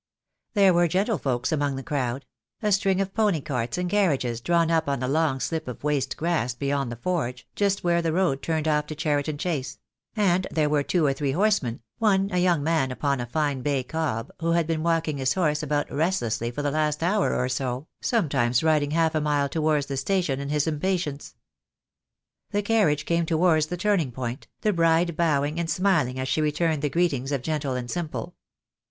THE DAY WILL COME. I 7 There were gentlefolks among the crowd — a string of pony carts and carriages drawn up on the long slip of waste grass beyond the forge, just where the road turned off to Cheriton Chase; and there were two or three horsemen, one a young man upon a fine bay cob, who had been walking his horse about restlessly for the last hour or so, sometimes riding half a mile towards the station in his impatience. The carriage came towards the turning point, the bride bowing and smiling as she returned the greetings of gentle and simple.